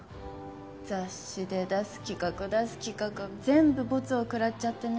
雑誌で出す企画出す企画全部ボツを食らっちゃってね。